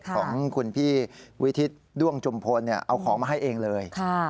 ของคุณพี่วิทิศด้วงจุมพลเอาของมาให้เองเลย